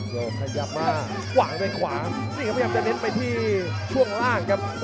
โด่งขยับมาหวางได้ขวาอันนี้พยายามจะเล็ดไปที่ช่วงล่างครับ